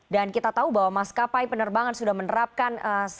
dan kita tahu bahwa maskapai penerbangan sudah menerapkan